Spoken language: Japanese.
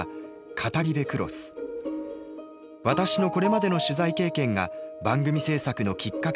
私のこれまでの取材経験が番組制作のきっかけとなりました。